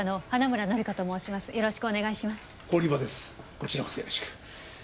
こちらこそよろしく。